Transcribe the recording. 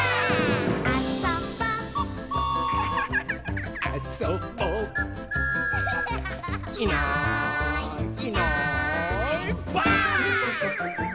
「あそぼ」「あそぼ」「いないいないばあっ！」